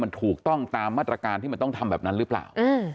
มันถูกต้องตามมาตรการที่มันต้องทำแบบนั้นหรือเปล่า